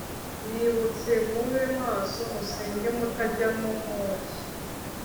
yibutse “mube maso, musenge mutajya mu moshya